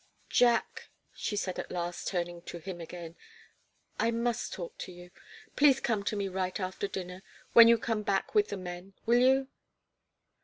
"Jack," she said at last, turning to him again, "I must talk to you. Please come to me right after dinner when you come back with the men will you?"